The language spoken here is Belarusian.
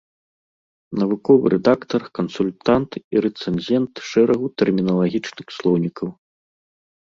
Навуковы рэдактар, кансультант і рэцэнзент шэрагу тэрміналагічных слоўнікаў.